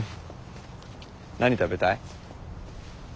何食べたい？